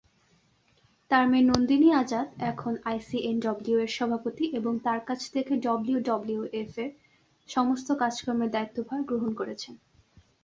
তাঁর মেয়ে নন্দিনী আজাদ এখন আইসিএনডব্লিউ-এর সভাপতি এবং তাঁর কাছ থেকে ডব্লিউডব্লিউএফ-এর সমস্ত কাজকর্মের দায়িত্বভার গ্রহণ করেছেন।